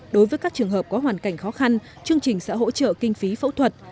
đối với các trường hợp có hoàn cảnh khó khăn chương trình sẽ hỗ trợ kinh phí phẫu thuật